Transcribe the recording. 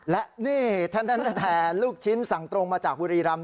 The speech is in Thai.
และนี่ท่านแห่ลูกชิ้นสั่งตรงมาจากบุรีรำ